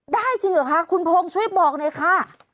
จริงเหรอคะคุณพงช่วยบอกหน่อยค่ะ